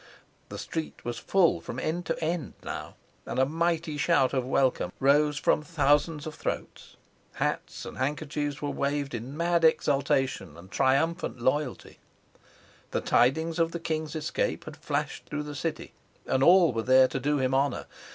The street was full from end to end now, and a mighty shout of welcome rose from thousands of throats. Hats and handkerchiefs were waved in mad exultation and triumphant loyalty. The tidings of the king's escape had flashed through the city, and all were there to do him honor.